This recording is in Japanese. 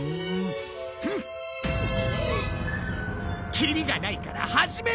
きりがないから始める！